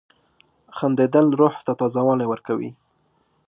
• خندېدل روح ته تازه والی ورکوي.